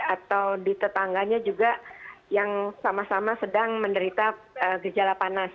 atau di tetangganya juga yang sama sama sedang menderita gejala panas